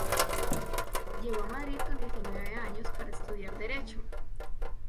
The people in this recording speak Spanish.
Llegó a Madrid con diecinueve años para estudiar Derecho.